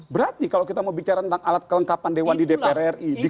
berarti kalau kita mau bicara tentang alat kelengkapan dewan di dpr ri